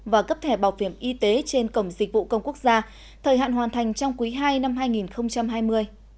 và cấp thẻ bảo hiểm y tế trên cổng dịch vụ công quốc gia thời hạn hoàn thành trong quý ii năm hai nghìn hai mươi